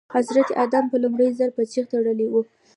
حضرت ادم په لومړي ځل په جغ تړلي وو.